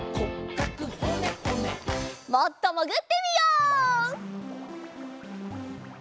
もっともぐってみよう。